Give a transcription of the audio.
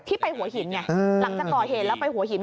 ไปหัวหินไงหลังจากก่อเหตุแล้วไปหัวหิน